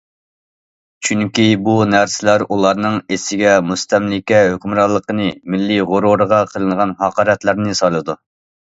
چۈنكى بۇ نەرسىلەر ئۇلارنىڭ ئېسىگە مۇستەملىكە ھۆكۈمرانلىقىنى، مىللىي غۇرۇرىغا قىلىنغان ھاقارەتلەرنى سالىدۇ.